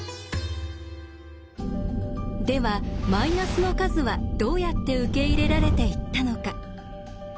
ではマイナスの数はどうやって受け入れられていったのか。